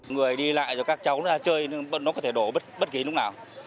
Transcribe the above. người đi lại rồi các cháu ra chơi nó có thể đổ bất kỳ lúc nào